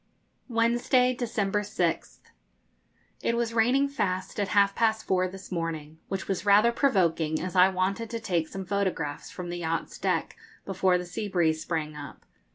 Wednesday, December 6th. It was raining fast at half past four this morning, which was rather provoking, as I wanted to take some photographs from the yacht's deck before the sea breeze sprang up.